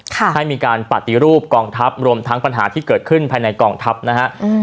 ให้มีการปฏิรูปกองทัพรวมทั้งปัญหาที่เกิดขึ้นภายในกองทัพนะฮะอืม